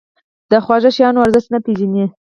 د خواږه شیانو ارزښت نه پېژني.